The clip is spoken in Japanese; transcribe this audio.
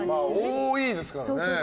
多いですからね。